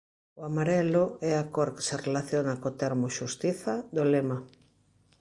O amarelo é a cor que se relaciona co termo "Xustiza" do lema.